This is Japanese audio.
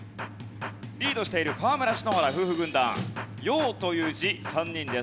リードしている河村＆篠原夫婦軍団「陽」という字３人です。